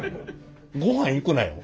ごはん行くなよ。